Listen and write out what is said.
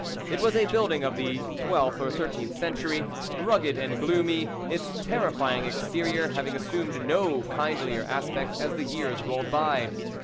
It was a building of the twelfth or thirteenth century, rugged and gloomy, its terrifying exterior having assumed no kindlier aspect as the years rolled by.